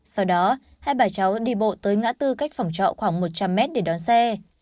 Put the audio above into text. sau đó hai bà cháu đi bộ tới ngã tư cách phòng trọ khoảng một trăm linh mét để đón xe